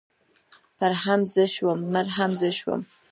پړ هم زه شوم مړ هم زه شوم.